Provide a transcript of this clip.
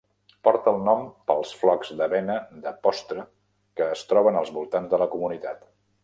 Porta el nom pels flocs d'avena de postre que es troben als voltants de la comunitat.